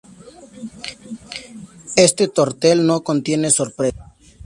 Este tortel no contiene sorpresas.